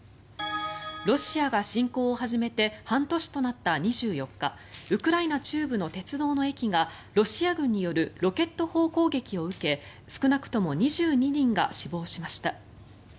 ロシアが侵攻を始めて半年となった２４日ウクライナ中部の鉄道の駅がロシア軍によるロケット砲攻撃を受け少なくとも２２人が死亡しました。